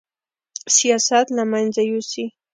سیاست له منځه یوسي